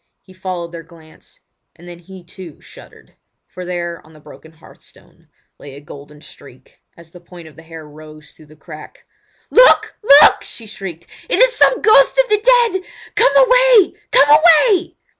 He followed their glance, and then he too, shuddered—for there on the broken hearth stone lay a golden streak as the point of the hair rose though the crack. "Look, look!" she shrieked. "Is it some ghost of the dead! Come away—come away!"